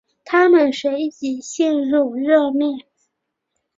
他们随即陷入热恋。